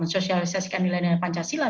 sosialisasikan milenial pancasila